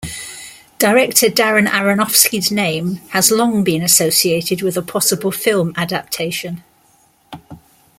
Director Darren Aronofsky's name has long been associated with a possible film adaptation.